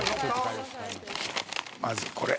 まずこれ。